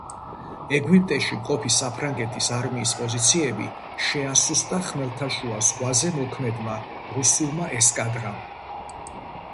ეგვიპტეში მყოფი საფრანგეთის არმიის პოზიციები შეასუსტა ხმელთაშუა ზღვაზე მოქმედმა რუსულმა ესკადრამ.